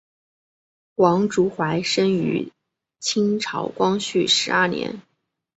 王竹怀生于清朝光绪十二年。